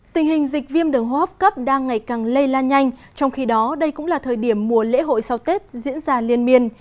tình hình dịch viêm đường hô hấp cấp đang ngày càng lây lan nhanh trong khi đó đây cũng là thời điểm mùa lễ hội sau tết diễn ra liên miên